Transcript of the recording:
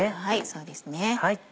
そうですね。